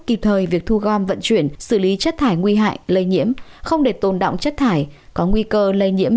kịp thời việc thu gom vận chuyển xử lý chất thải nguy hại lây nhiễm không để tồn động chất thải có nguy cơ lây nhiễm